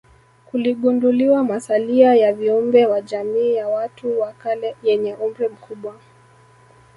Kuligunduliwa masalia ya viumbe wa jamii ya watu wa kale yenye umri mkubwa